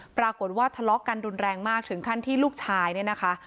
ปรากฏว่าทะเลาะกันรุนแรงมากถึงขั้นที่ลูกชายเนี่ยนะคะ